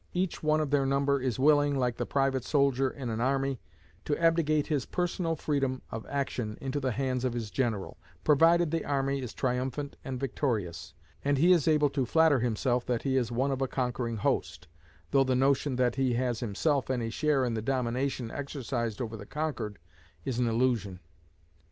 Each one of their number is willing, like the private soldier in an army, to abdicate his personal freedom of action into the hands of his general, provided the army is triumphant and victorious, and he is able to flatter himself that he is one of a conquering host, though the notion that he has himself any share in the domination exercised over the conquered is an illusion.